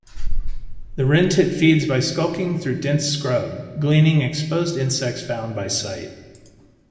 The wrentit feeds by skulking through dense scrub gleaning exposed insects found by sight.